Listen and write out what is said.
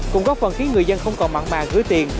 cũng góp phần khiến người dân không còn mặn mà gửi tiền